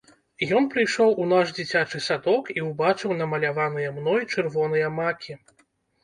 Ён прыйшоў у наш дзіцячы садок і ўбачыў намаляваныя мной чырвоныя макі.